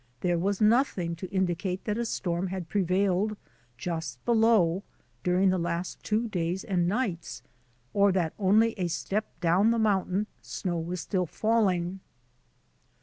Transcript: There was nothing to indicate that a storm had prevailed just below during the last two days and nights, or that only a step down the mountain snow was still falling.